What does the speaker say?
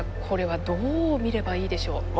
これはどう見ればいいでしょう？